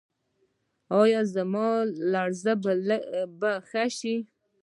ایا زما لرزه به ښه شي؟